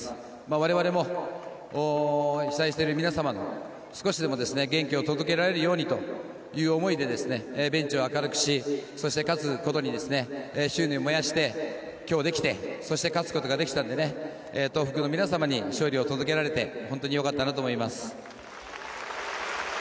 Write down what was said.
我々も被災している皆様に少しでも元気を届けられるようにという思いでベンチを明るくしそして、勝つことに執念を燃やして今日できてそして勝つことができたので東北の皆様に勝利を届けられて本当によかったなと思います。